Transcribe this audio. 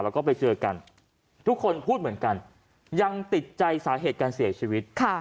แล้วก็ไปเจอกันทุกคนพูดเหมือนกันยังติดใจสาเหตุการเสียชีวิต